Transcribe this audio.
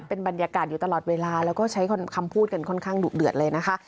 เป็นบรรยากาศอยู่ตลอดเวลาแล้วก็ใช้คำพูดกันค่อนข้างดุเดือดเลยนะคะ